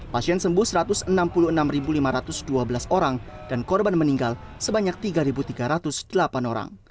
pasien sembuh satu ratus enam puluh enam lima ratus dua belas orang dan korban meninggal sebanyak tiga tiga ratus delapan orang